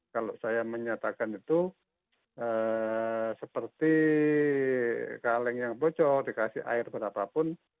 kalau saya menyatakan itu seperti kaleng yang bocor dikasih air berapapun